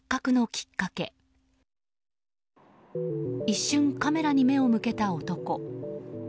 一瞬カメラに目を向けた男。